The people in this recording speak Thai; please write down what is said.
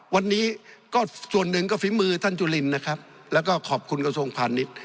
วันนี้ก็ส่วนหนึ่งก็ฝีมือท่านจุลินนะครับแล้วก็ขอบคุณกระทรวงพาณิชย์